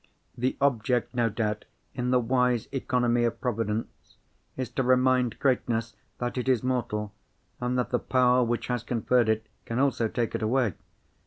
The object, no doubt, in the wise economy of Providence, is to remind greatness that it is mortal and that the power which has conferred it can also take it away.